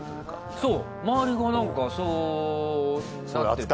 そう周りがなんかそうなってた。